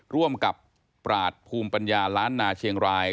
ร่วมกับปราศภูมิปัญญาล้านนาเชียงราย